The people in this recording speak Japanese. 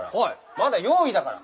まだ用意だから。